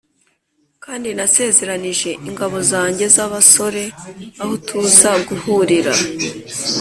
Kandi nasezeranije ingabo zanjye z’abasore aho tuza guhurira.